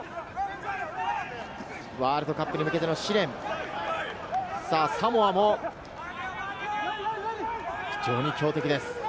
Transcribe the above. ワールドカップに向けての試練、サモアも非常に強敵です。